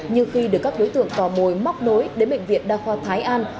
như khi được các đối tượng tò mồi móc nối đến bệnh viện đa khoa thái an